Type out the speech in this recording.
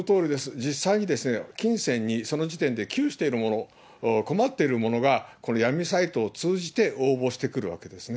実際に金銭に、その時点で寄与しているもの、困っている者が、この闇サイトを通じて応募してくるわけですね。